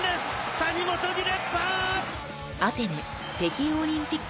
谷本２連覇！」。